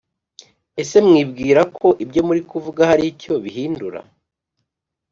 ese mwibwirako ibyo muri kuvuga hari icyo bihindura